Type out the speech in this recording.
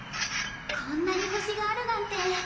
こんなに星があるなんて。